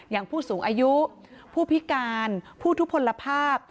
อย่างผู้สูงอายุผู้พิการผู้ทุกผลภาพ